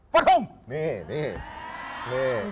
ฟะโด่มนี่นี่